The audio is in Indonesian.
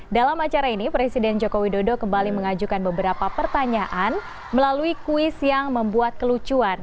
dalam acara ini presiden joko widodo kembali mengajukan beberapa pertanyaan melalui kuis yang membuat kelucuan